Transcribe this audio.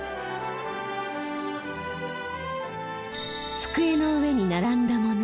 机の上に並んだ物。